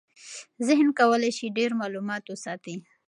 ذهن کولی شي ډېر معلومات وساتي.